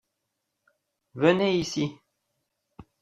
Venez ici.